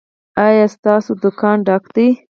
ایا ستاسو دکان ډک دی؟